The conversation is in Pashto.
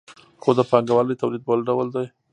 خو د پانګوالي تولید بل ډول دی.